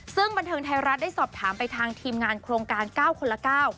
ซึ่งบันเทิงไทยรัฐได้สอบถามไปทางทีมงานโครงการ๙คนละเก้า